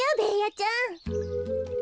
ちゃん。